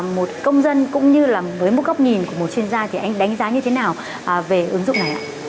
một công dân cũng như là với một góc nhìn của một chuyên gia thì anh đánh giá như thế nào về ứng dụng này ạ